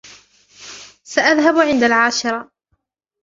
سأذهب عند العاشرة.